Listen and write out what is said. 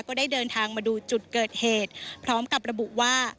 ก็ได้เดินทางมาดูจุดเกิดเหตุพร้อมกับระบุว่า